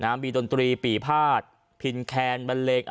มีดนตรีปี่พาดผินแคนบันเล็ก